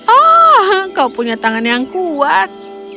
oh kau punya tangan yang kuat